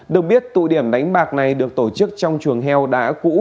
được biết tụ điểm đánh bạc này được tổ chức trong trường heo đá cũ